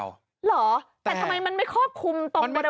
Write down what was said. หรอแต่ทำไมมันไม่คอบคุมตรงบริเวณที่ทำ